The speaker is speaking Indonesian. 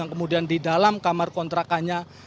kemudian di dalam kamar kontrakannya